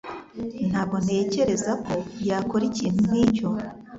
Ntabwo ntekereza ko yakora ikintu nkicyo.